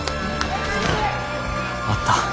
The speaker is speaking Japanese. あった。